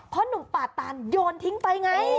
เพราะหนุ่มป่าตานโยนทิ้งไปไง